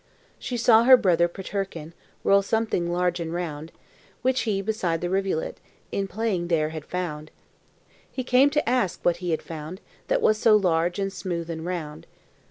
She saw her brother Peterkin Roll something large and round, Which he beside the rivulet In playing there had found: He came to ask what he had found, That was so large, and smooth, and round.